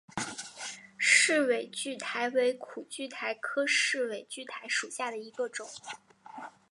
世纬苣苔为苦苣苔科世纬苣苔属下的一个种。